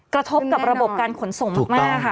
กระทบกับระบบการขนส่งมากค่ะ